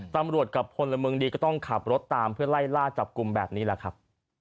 ตำรวจกับพลเมืองดีก็ต้องขับรถตามเพื่อไล่ล่าจับกลุ่มแบบนี้แหละครับ